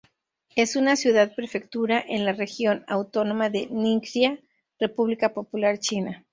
Es una Ciudad-prefectura en la región autónoma de Ningxia, República Popular China.